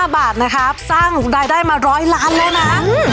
บาทนะครับทำรายได้มาร้อยล้านแล้วนะ